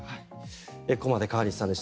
ここまで川西さんでした。